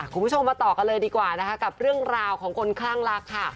คุณผู้ชมมาต่อกันเลยดีกว่านะคะกับเรื่องราวของคนคลั่งรักค่ะ